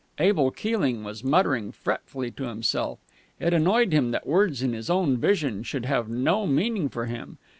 Abel Keeling was muttering fretfully to himself. It annoyed him that words in his own vision should have no meaning for him.